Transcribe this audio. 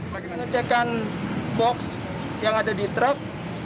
pengecekan box yang ada di truk